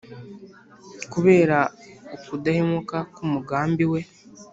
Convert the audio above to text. Kubera ukudahemuka k’umugambi we,